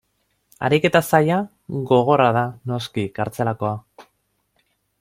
Ariketa zaila, gogorra da, noski, kartzelakoa.